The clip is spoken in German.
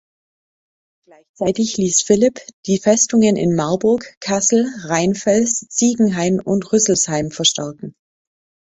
Gleichzeitig ließ Philipp die Festungen in Marburg, Kassel, Rheinfels, Ziegenhain und Rüsselsheim verstärken.